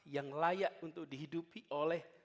yang layak untuk dihidupi oleh